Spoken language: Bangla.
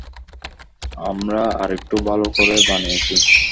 আমরা আরেকটু ভালো করে বানিয়েছি।